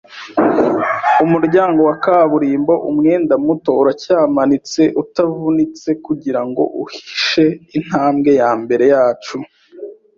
umuryango wa kaburimbo umwenda muto uracyamanitse utavunitse kugirango uhishe intambwe yambere yacu